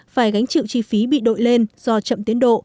phải gánh chịu chi phí bị đội lên do chậm tiến độ